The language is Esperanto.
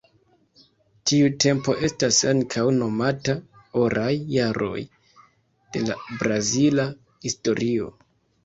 Tiu tempo estas ankaŭ nomata "oraj jaroj" de la brazila historio.